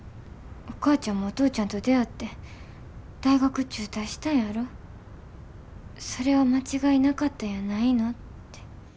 お母ちゃんもお父ちゃんと出会って大学中退したんやろそれは間違いなかったんやないのって。